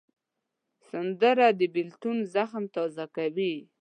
سندره د بېلتون زخم تازه کوي